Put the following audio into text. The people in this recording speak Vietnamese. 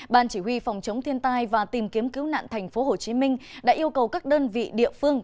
ban chỉ huy phòng chống thiên tai và tìm kiếm cứu nạn thành phố hồ chí minh đã yêu cầu các đơn vị địa phương